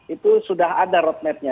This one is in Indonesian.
itu sudah ada roadmapnya